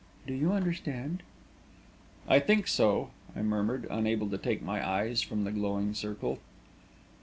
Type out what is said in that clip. Do you understand?" "I think so," I murmured, unable to take my eyes from the glowing circle.